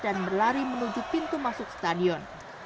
dan berlari menuju pintu masuk stadion